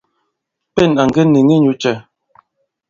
Pên à ŋge nìŋi inyū cɛ̄ ?